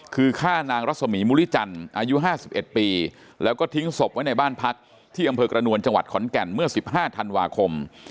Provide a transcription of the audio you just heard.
คือฆ่านางรัศมีมุริจันทร์อายุ๕๑ปีแล้วก็ทิ้งศพไว้ในบ้านพักที่อำเภอกระนวลจังหวัดขอนแก่นเมื่อ๑๕ธันวาคม